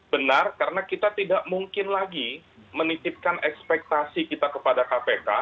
benar karena kita tidak mungkin lagi menitipkan ekspektasi kita kepada kpk